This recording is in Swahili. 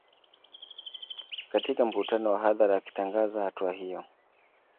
Katika mkutano wa hadhara akitangaza hatua hiyo